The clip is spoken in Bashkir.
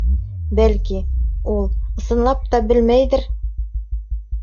Бәлки, ул, ысынлап та, белмәйҙер...